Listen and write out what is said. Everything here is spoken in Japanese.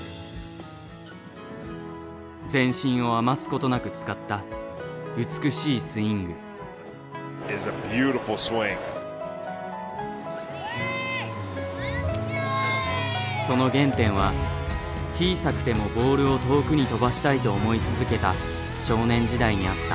全身を余すことなく使ったその原点は小さくてもボールを遠くに飛ばしたいと思い続けた少年時代にあった。